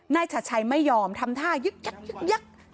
นายชัดชัยไม่ยอมทำท่ายึก